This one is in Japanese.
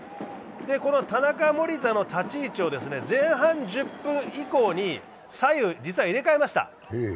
この田中・守田の立ち位置を前半１０分以降に左右、実は入れ替えました。